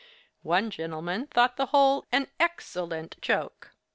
One gentleman thought the whole an X ellent joke.